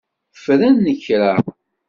Fren kra.